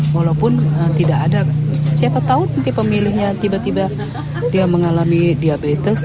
walaupun tidak ada siapa tahu nanti pemilihnya tiba tiba dia mengalami diabetes